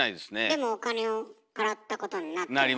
でもお金を払ったことになってるわよね。